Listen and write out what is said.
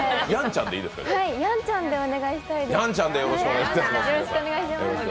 やんちゃんでお願いしたいです。